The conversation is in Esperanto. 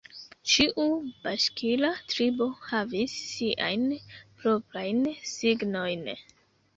Ĉiu baŝkira tribo havis siajn proprajn signojn.